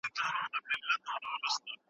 که لمر تېز شي نو سیوری به لنډ شي.